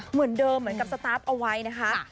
เหมือนเดิมเหมือนกับสตัฟเอาไว้นะคะ